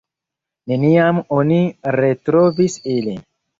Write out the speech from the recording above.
Neniam oni retrovis ilin.